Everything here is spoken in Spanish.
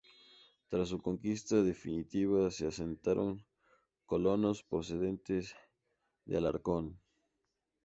Tras su conquista definitiva se asentaron colonos procedentes de Alarcón.